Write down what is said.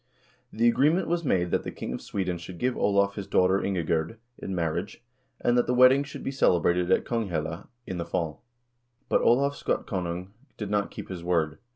The agreement was made that the king of Sweden should give Olav his daughter Ingegerd in marriage, and that the wedding should be celebrated at Konghelle in the fall ; but Olav Skotkonung did not keep his word.